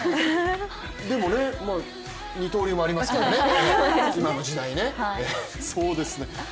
でも、二刀流もありますからね、今の時代ね。